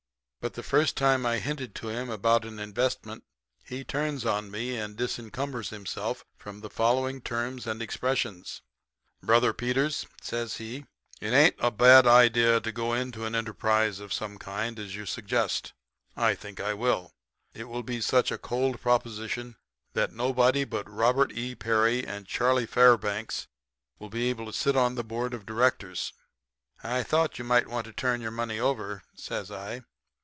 But the first time I hinted to him about an investment, he turns on me and disencumbers himself of the following terms and expressions. "'Brother Peters,' says he, 'it ain't a bad idea to go into an enterprise of some kind, as you suggest. I think I will. But if I do it will be such a cold proposition that nobody but Robert E. Peary and Charlie Fairbanks will be able to sit on the board of directors.' "'I thought you might want to turn your money over,' says I.